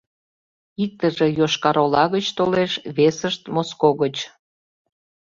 Иктыже Йошкар-Ола гыч толеш, весышт — Моско гыч.